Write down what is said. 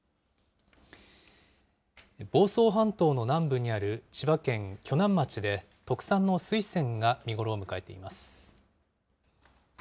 房総半島の南部にある千葉県鋸南町で、特産の水仙が見頃を迎えています。